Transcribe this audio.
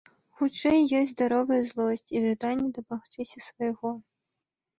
Хутчэй ёсць здаровая злосць і жаданне дамагчыся свайго.